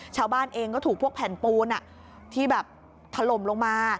ชาวบ้านเองก็ถูกพวกแผ่นปูนที่แบบถล่มลงมา